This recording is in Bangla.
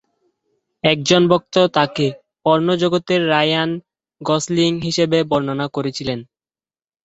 একজন ভক্ত তাকে "পর্ন জগতের রায়ান গসলিং" হিসাবে বর্ণনা করেছিলেন।